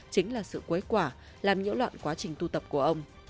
chính là sự quấy quả làm nhiễu loạn quá trình tu tập của ông